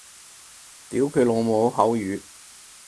屌佢老母口語